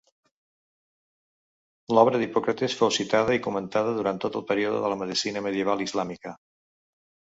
L'obra d'Hipòcrates fou citada i comentada durant tot el període de la medicina medieval islàmica.